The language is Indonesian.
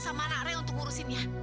sama anak ray untuk urusinnya